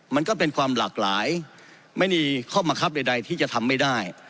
มันก็เป็นความหลากหลายไม่มีข้อบังคับใดที่จะทำไม่ได้